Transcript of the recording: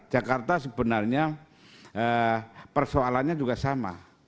jakarta sebenarnya persoalannya juga sama